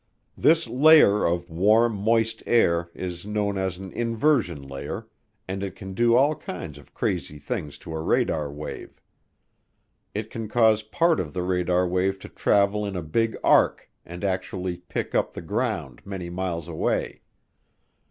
This layer of warm, moist air is known as an inversion layer, and it can do all kinds of crazy things to a radar wave. It can cause part of the radar wave to travel in a big arc and actually pick up the ground many miles away.